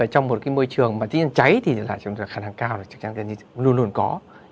trong một môi trường cháy thì khả năng cao chắc chắn luôn luôn có